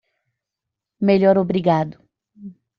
Melhor obrigado.